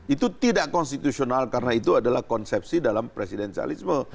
itu tidak konstitusional karena itu adalah konsepsi dalam presidensialisme